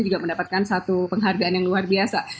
juga mendapatkan satu penghargaan yang luar biasa